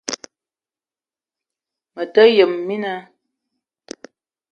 Mete yëm mina